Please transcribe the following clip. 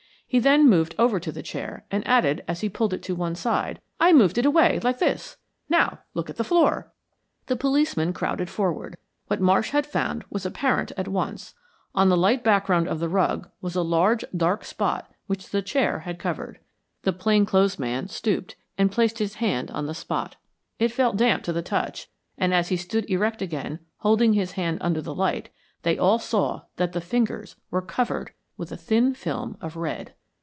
He then moved over to the chair, and added, as he pulled it to one side, "I moved it away like this. Now, look at the floor!" The policemen crowded forward. What Marsh had found was apparent at once. On the light background of the rug was a large, dark spot which the chair had covered. The plain clothes man stooped and placed his hand on the spot. It felt damp to the touch, and as he stood erect again, holding his hand under the light, they all saw that the fingers were covered with a thin film of red.